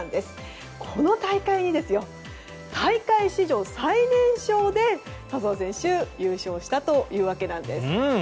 この大会に大会史上最年少で笹生選手は優勝したわけです。